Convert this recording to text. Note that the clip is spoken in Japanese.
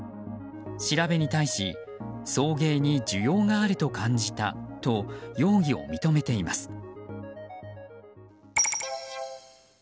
調べに対し送迎に需要があると感じたと容疑を認めています。